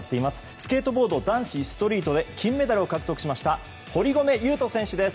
スケートボード男子ストリートで金メダルを獲得しました堀米雄斗選手です。